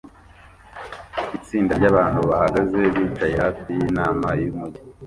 Itsinda ryabantu bahagaze bicaye hafi yinama yumujyi